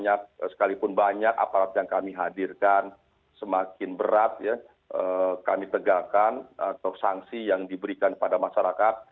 karena sekalipun banyak aparat yang kami hadirkan semakin berat kami tegakkan atau sanksi yang diberikan kepada masyarakat